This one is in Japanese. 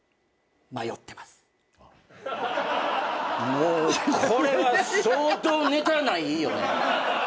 もうこれは相当ネタないよね。